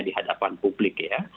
dihadapan publik ya